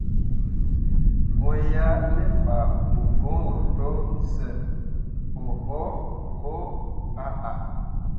Mo yah ne bu fah voŋno to sə oho koo ahah.